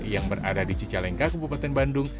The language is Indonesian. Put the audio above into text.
yang berada di cicalengka kabupaten bandung